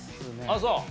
あっそう。